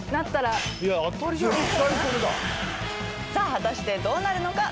さあ果たしてどうなるのか？